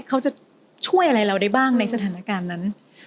เขาจะช่วยอะไรเราได้บ้างในสถานการณ์นั้น